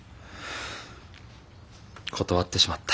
断ってしまった。